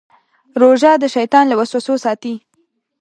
روژه د شیطان له وسوسو ساتي.